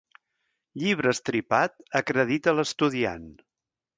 Llibre estripat acredita l'estudiant.